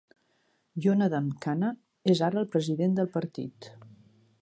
Yonadam Kanna és ara el president del partit.